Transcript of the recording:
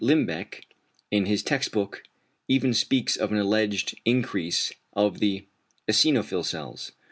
Limbeck in his text book even speaks of an "alleged" increase of the eosinophil cells.